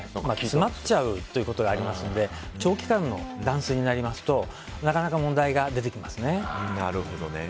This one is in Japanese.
詰まっちゃうということがありますので長期間の断水になりますとなかなか問題が出てきますね。